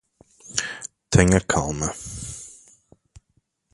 Tenha calma